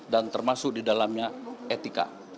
dan termasuk di dalamnya etika